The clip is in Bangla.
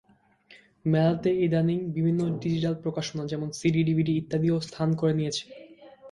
মেলাতে ইদানীং বিভিন্ন ডিজিটাল প্রকাশনা যেমন সিডি, ডিভিডি ইত্যাদিও স্থান করে নিয়েছে।